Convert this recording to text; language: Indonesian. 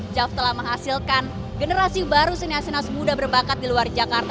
jav telah menghasilkan generasi baru siniasinas muda berbakat di luar jakarta